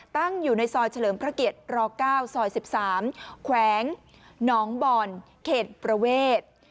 ตั้งอยู่ในซอยเฉลิมพระเกียรติร๙ซอย๑๓แขวงหนองบ่อนเขตประเวท